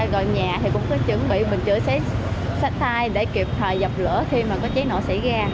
gọi nhà thì cũng có chuẩn bị mình chữa cháy sát thai để kịp thời dập lửa khi mà có cháy nổ xảy ra